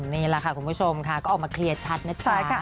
นี่แหละค่ะคุณผู้ชมค่ะก็ออกมาเคลียร์ชัดนะจ๊ะ